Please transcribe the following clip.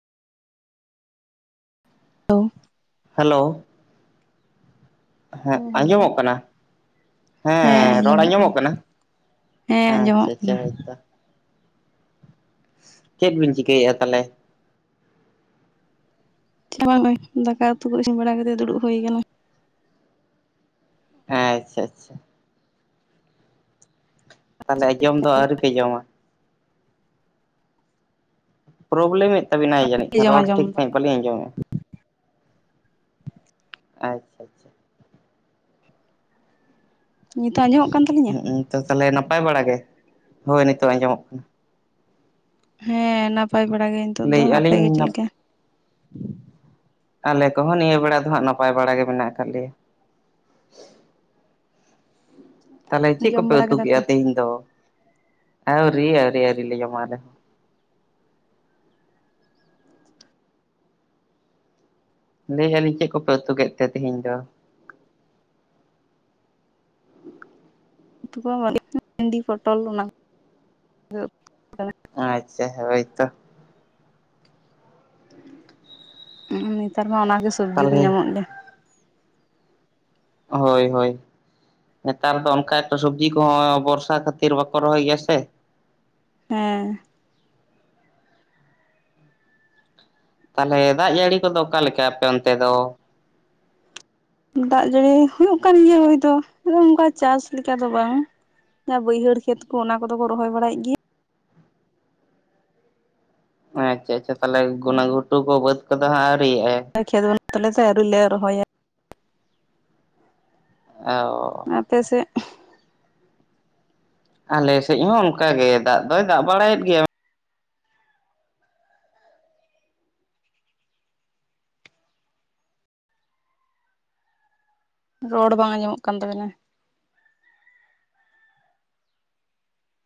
[unintelligible] Hello. ᱦᱮᱸ ᱟᱸᱡᱚᱢᱚᱜ ᱠᱟᱱᱟ? ᱦᱮᱸ ᱨᱚᱲ ᱟᱡᱚᱢᱚᱜ ᱠᱟᱱᱟ ᱦᱮᱸ ᱟᱸᱡᱚᱢᱚᱜ ᱟᱪᱪᱷᱟ ᱟᱪᱪᱷᱟ ᱠᱟᱱᱟ ᱦᱳᱭ ᱛᱚᱼᱼ ᱪᱮᱫ ᱵᱤᱱ ᱪᱤᱠᱟᱹᱭᱮᱫᱼᱟ ᱛᱟᱦᱚᱞᱮ? ᱪᱮᱫ ᱦᱚ ᱵᱟᱝ ᱱᱚᱜᱼᱚᱭ ᱫᱟᱠᱟ ᱩᱛᱩ ᱠᱚ ᱤᱥᱤᱱ ᱵᱟᱲᱟ ᱠᱟᱛᱮᱫ ᱫᱩᱲᱩᱵ ᱦᱩᱭ ᱟᱠᱟᱱᱟ᱾ ᱟᱪᱪᱷᱟ ᱟᱪᱪᱷᱟ ᱾ ᱛᱟᱦᱚᱞᱮ ᱡᱚᱢ ᱫᱚ ᱟᱹᱣᱨᱤ ᱯᱮ ᱡᱚᱢᱟ? ᱯᱨᱳᱚᱵᱞᱮᱢ ᱮᱫ ᱛᱟᱵᱤᱱᱟᱭ ᱡᱟᱹᱱᱤᱡ ᱡᱚᱢᱟ ᱨᱚᱲ ᱡᱚᱢ ᱴᱷᱤᱠ ᱫᱚ ᱼᱼ ᱵᱟᱹᱞᱤᱧ ᱟᱸᱡᱚᱢᱮᱫᱼᱟ ᱟᱪᱪᱷᱟ ᱟᱪᱪᱷᱟ ᱾ ᱱᱤᱛᱚᱜ ᱟᱸᱡᱚᱢᱚᱜ ᱠᱟᱱ ᱛᱟᱹᱞᱤᱧᱟ? ᱦᱩᱸ ᱛᱟᱦᱚᱞᱮ ᱱᱟᱯᱟᱭ ᱵᱟᱲᱟ ᱜᱮ? ᱦᱳᱭ ᱱᱤᱛᱚᱜ ᱟᱸᱡᱚᱢᱚᱜ ᱠᱟᱱᱟ ᱾ ᱦᱮᱸ ᱱᱟᱯᱟᱭ ᱵᱟᱲᱟ ᱜᱮ ᱱᱤᱛᱚᱜ ᱫᱚ ᱾ ᱞᱟᱹᱭᱮᱫᱼᱟ ᱟᱯᱮ ᱞᱤᱧ ᱜᱮ ᱪᱮᱫ ᱱᱟᱯ ᱞᱮᱠᱟ? ᱟᱞᱮ ᱠᱚᱦᱚᱸ ᱱᱤᱭᱟᱹ ᱵᱮᱲᱟ ᱫᱚ ᱦᱟᱸᱜ ᱱᱟᱯᱟᱭ ᱵᱟᱲᱟ ᱜᱮ ᱢᱮᱱᱟᱜ ᱟᱠᱟᱫ ᱞᱮᱭᱟ ᱾ ᱛᱟᱦᱚᱞᱮ ᱪᱮᱫ ᱠᱚ ᱡᱚᱢ ᱯᱮ ᱵᱟᱲᱟ ᱩᱛᱩ ᱠᱮᱫᱟ ᱠᱮᱜᱼᱟ ᱛᱤᱦᱤᱧ ᱫᱚ? ᱟᱹᱣᱨᱤ ᱟᱹᱣᱨᱤ ᱟᱹᱣᱨᱤ ᱞᱮ ᱧᱟᱢᱟ ᱟᱞᱮ ᱦᱚᱸ᱾ ᱞᱟᱹᱭᱮᱫ ᱟᱹᱞᱤᱧ ᱪᱮᱫ ᱠᱚ ᱯᱮ ᱩᱛᱩ ᱠᱮᱫ ᱛᱮ ᱛᱤᱦᱤᱧ ᱫᱚ? ᱩᱛᱩ ᱠᱚ [unintelligible] ᱯᱚᱴᱚᱞ ᱚᱱᱟ ᱼᱼ ᱟᱪᱪᱷᱟ ᱦᱳᱭ ᱛᱚ ᱾ ᱱᱮᱛᱟᱨ ᱢᱟ ᱚᱱᱟ ᱜᱮ ᱥᱚᱵᱽᱡᱤ ᱠᱚ ᱛᱟᱦᱚᱞᱮ ᱧᱟᱢᱚᱜ ᱞᱮ ᱼᱼ ᱦᱳᱭ ᱦᱳᱭ ᱾ ᱱᱮᱛᱟᱨ ᱫᱚ ᱚᱱᱠᱟ ᱮᱠᱴᱟ ᱥᱚᱵᱽᱡᱤ ᱠᱚᱦᱚᱸ ᱵᱚᱨᱥᱟ ᱠᱷᱟᱹᱛᱤᱨ ᱵᱟᱠᱚ ᱨᱚᱦᱚᱭ ᱜᱮᱭᱟ ᱥᱮ ᱾ ᱦᱮᱸ ᱾ ᱛᱟᱦᱚᱞᱮ ᱫᱟᱜ ᱡᱟᱹᱲᱤ ᱠᱚᱫᱚ ᱚᱠᱟ ᱞᱮᱠᱟ ᱟᱯᱮ ᱚᱱᱛᱮ ᱫᱚ‌? ᱫᱟᱜ ᱡᱟᱹᱲᱤ ᱦᱚᱸ ᱚᱝᱠᱟ ᱱᱤᱭᱟᱹ [unintelligible] ᱚᱱᱠᱟ ᱪᱟᱥ ᱞᱮᱠᱟ ᱫᱚ ᱵᱟᱝ ᱾ ᱡᱟᱦᱟᱸ ᱵᱟᱹᱭᱦᱟᱹᱲ ᱠᱷᱮᱛ ᱠᱚ ᱚᱱᱟ ᱠᱚ ᱫᱚ ᱠᱚ ᱨᱚᱦᱚᱭ ᱵᱟᱲᱟᱭᱮᱫ ᱜᱮᱭᱟ᱾ ᱟᱪᱪᱷᱟ ᱟᱪᱪᱷᱟ ᱛᱟᱦᱚᱞᱮ ᱜᱚᱱᱟ ᱜᱷᱩᱴᱩ ᱠᱚ ᱵᱟᱹᱫᱽ ᱠᱚᱫᱚ ᱦᱟᱸᱜ ᱟᱹᱣᱨᱤᱭᱟᱜᱼᱟ? ᱠᱷᱮᱛ ᱵᱟᱹᱱᱩᱜ ᱛᱟᱞᱮ ᱛᱮ ᱟᱹᱣᱨᱤ ᱞᱮ ᱨᱚᱦᱚᱭᱟ ᱾ ᱚᱻ ᱟᱯᱮ ᱥᱮᱫᱼᱼ ᱟᱞᱮ ᱥᱮᱫ ᱦᱚᱸ ᱚᱱᱠᱟ ᱜᱮ ᱫᱟᱜ ᱫᱚᱭ ᱫᱟᱜ ᱵᱟᱲᱟᱭᱮᱫ ᱜᱮᱭᱟ‌ ᱼᱼ ᱨᱚᱲ ᱵᱟᱝ ᱟᱸᱡᱚᱢᱚᱜ ᱠᱟᱱ ᱛᱟᱵᱮᱱᱟ ᱾